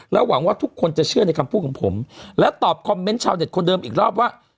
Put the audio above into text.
หวังว่าทุกคนจะเชื่อในคำพูดของผมและตอบคอมเมนต์ชาวเน็ตคนเดิมอีกรอบว่า